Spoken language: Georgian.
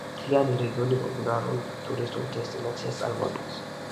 მთლიანი რეგიონი პოპულარულ ტურისტულ დესტინაციას წარმოადგენს.